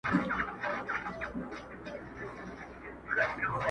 تا ته د جلاد له سره خنجره زندان څه ویل٫